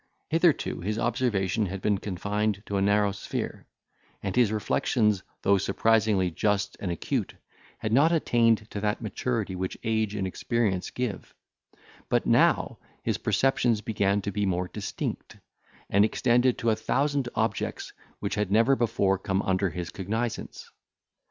Hitherto his observation had been confined to a narrow sphere, and his reflections, though surprisingly just and acute, had not attained to that maturity which age and experience give; but now, his perceptions began to be more distinct, and extended to a thousand objects which had never before come under his cognisance.